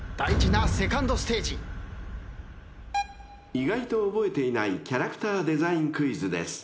［意外と覚えていないキャラクターデザインクイズです］